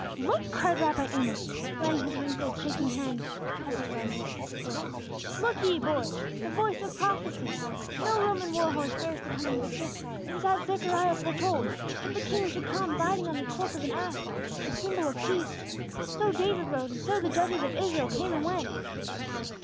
"Look!" cried Rabbi Amos, laying his wrinkled, shaking hand heavily on Joel's shoulder. "Look ye, boy, the voice of prophecy! No Roman war horse bears the coming victor! It is as Zechariah foretold! That the king should come riding upon the colt of an ass, the symbol of peace. So David rode, and so the Judges of Israel came and went!"